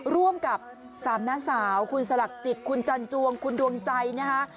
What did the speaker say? ร่วมกับ๓น้าสาวคุณสลักจิตคุณจันจวงคุณดวงใจนะคะ